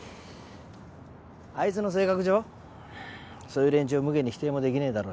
あいつの性格上そういう連中をむげに否定もできねえだろうし。